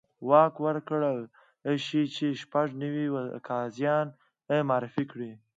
واک ورکړل شي چې شپږ نوي قاضیان معرفي کړي.